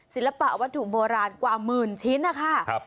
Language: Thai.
ศิลปะวัตถุโบราณกว่าหมื่นชิ้นนะคะ